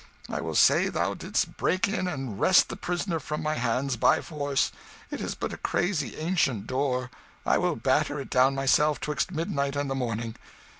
I will say thou didst break in and wrest the prisoner from my hands by force. It is but a crazy, ancient door I will batter it down myself betwixt midnight and the morning."